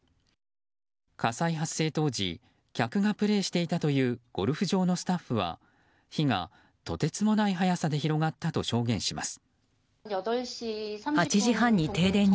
火災発生当時客がプレーしていたというゴルフ場のスタッフは火がとてつもない早さで広がったと証言します。